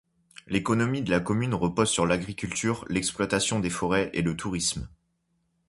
L'économie de la commune repose sur l'agriculture, l'exploitation des forêts et le tourisme.